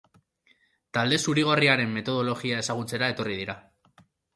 Talde zuri-gorriaren metodologia ezagutzera etorri dira.